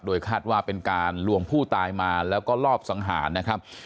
คาดว่าเป็นการลวงผู้ตายมาแล้วก็รอบสังหารนะครับ